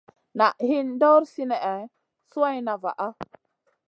Naʼ hin ɗor sinèhna suwayna vaʼa.